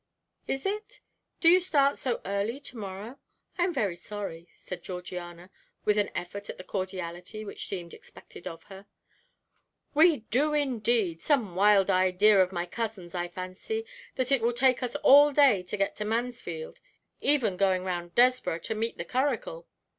"Is it? Do you start so early to morrow? I am very sorry," said Georgiana, with an effort at the cordiality which seemed expected of her. "We do, indeed; some wild idea of my cousin's, I fancy, that it will take us all day to get to Mansfield, even going round Desborough to meet the curricle.